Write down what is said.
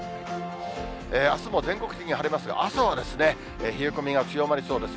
あすも全国的に晴れますが、朝は冷え込みが強まりそうです。